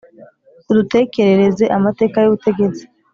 Udutekerereze amateka y'ubutegetsi